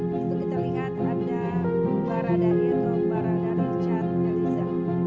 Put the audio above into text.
hai kita lihat ada barada itu barang dari cat melisa